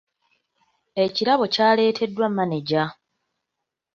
Ekirabo kyaleeteddwa maneja.